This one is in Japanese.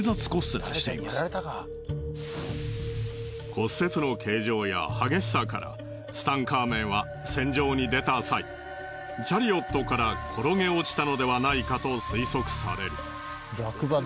骨折の形状や激しさからツタンカーメンは戦場に出た際チャリオットから転げ落ちたのではないかと推測される。